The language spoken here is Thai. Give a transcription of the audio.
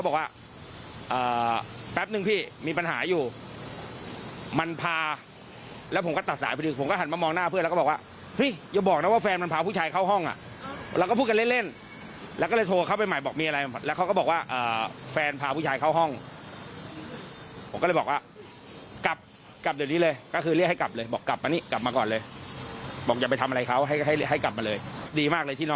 ก็เลยเป็นคลิปเนี่ยคุณ